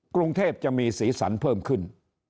กรุงเทพจะมีสีสันเพิ่มขึ้น